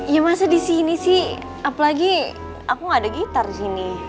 ya masa disini sih apalagi aku gak ada gitar disini